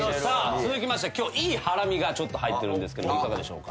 続きまして今日いいハラミが入ってるんですけれどいかがでしょうか？